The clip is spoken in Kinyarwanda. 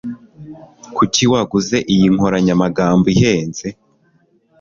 Kuki waguze iyi nkoranyamagambo ihenze?